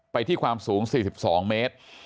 ไปที่ความสูง๔๒เมตร